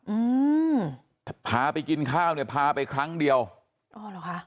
อืมพาไปกินข้าวเนี่ยพาไปครั้งเดียวอ๋อเหรอคะ